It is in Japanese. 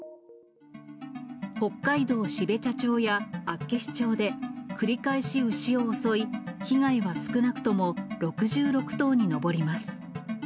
北海道標茶町や厚岸町で繰り返し牛を襲い、被害は少なくとも６６頭に上ります。